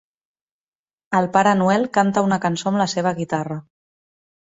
El Pare Noel canta una cançó amb la seva guitarra.